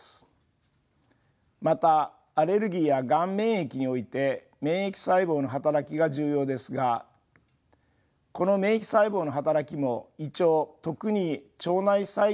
またアレルギーやがん免疫において免疫細胞の働きが重要ですがこの免疫細胞の働きも胃腸特に腸内細菌により制御されています。